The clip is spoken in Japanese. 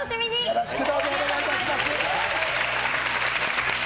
よろしくどうぞお願いいたします。